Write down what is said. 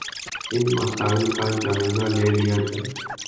ان مسائل کا جائزہ لے لیا جائے